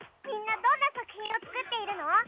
みんなどんな作品を作っているの？